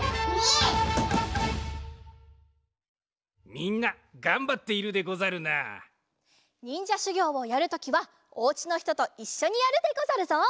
みんながんばっているでござるな。にんじゃしゅぎょうをやるときはお家のひとといっしょにやるでござるぞ。